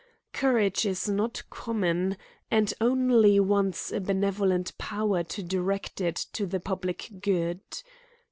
Courage is not common, and only wants a benevolent power to direct it to the public good.